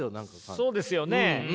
そうですよね。